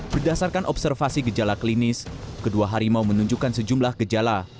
berdasarkan observasi gejala klinis kedua harimau menunjukkan sejumlah gejala